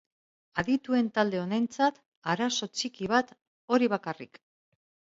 Adituen talde honentzat, arazo txiki bat, hori bakarrik.